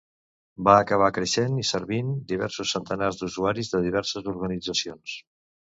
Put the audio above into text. Va acabar creixent i servint diversos centenars d'usuaris de diverses organitzacions.